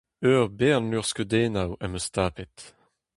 Ur bern luc'hskeudennoù am eus tapet.